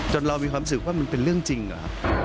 เรามีความรู้สึกว่ามันเป็นเรื่องจริงเหรอ